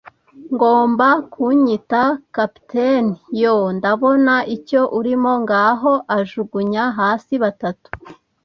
ngomba kunyita capitaine. Yoo, ndabona icyo urimo - ngaho ”; ajugunya hasi batatu